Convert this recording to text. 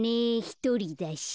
ひとりだし。